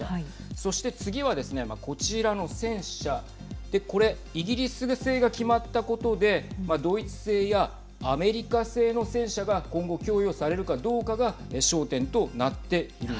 そして次はですねこちらの戦車でこれイギリス製が決まったことでドイツ製やアメリカ製の戦車が今後供与されるかどうかが焦点とはい。